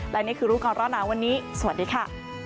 และนี่คือรูปกรณ์รอดน้ำวันนี้สวัสดีค่ะ